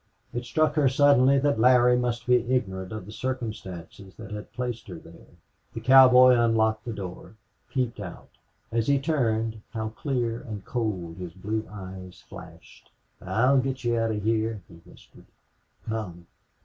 It struck her suddenly that Larry must be ignorant of the circumstances that had placed her there. The cowboy unlocked the door peeped out. As he turned, how clear and cold his blue eyes flashed! "I'll get you out of heah," he whispered. "Come."